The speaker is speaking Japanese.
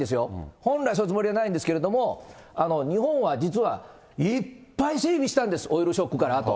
本来そういうつもりはないんですけれども、日本は実は、いっぱい整備したんです、オイルショックからあと。